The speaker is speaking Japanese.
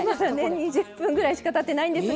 ２０分ぐらいしかたってないんですが。